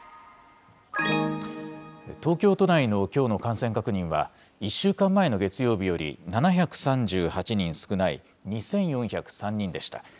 東京都内のきょうの感染確認は、１週間前の月曜日より７３８人少ない２４０３人でした。